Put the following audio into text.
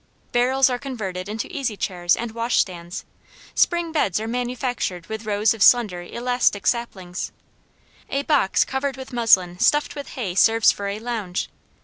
Barrels are converted into easy chairs and wash stands, spring beds are manufactured with rows of slender, elastic saplings; a box covered with muslin stuffed with hay serves for a lounge.